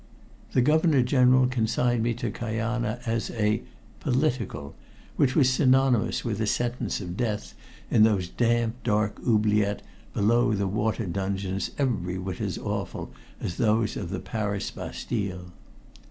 The Governor General consigned me to Kajana as a "political," which was synonymous with a sentence of death in those damp, dark oubliettes beneath the water dungeons every whit as awful as those of the Paris Bastile.